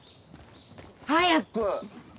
早く！